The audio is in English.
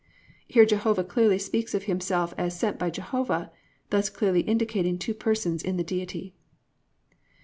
"+ Here Jehovah clearly speaks of himself as sent by Jehovah, thus clearly indicating two persons in the Deity.